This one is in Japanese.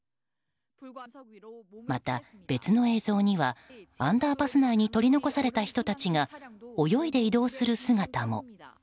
また、別の映像にはアンダーパス内に取り残された人たちが泳いで移動する姿も。